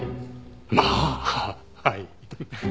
まあはい。